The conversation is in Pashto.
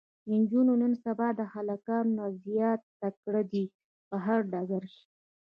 انجونې نن سبا د هلکانو نه زياته تکړه دي په هر ډګر کې